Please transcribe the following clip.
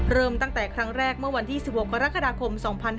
เริ่มตั้งแต่ครั้งแรกเมื่อวันที่๑๖กรกฎาคม๒๕๕๙